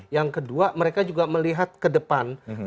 yang kedua mereka juga melihat ke depan